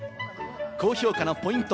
評価のポイント